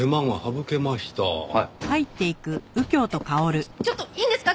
えっちょっといいんですか？